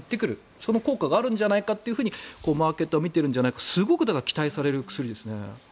その効果があるんじゃないかってマーケットは見ているんじゃないかだからすごく期待される薬ですね。